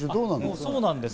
そうなんですね。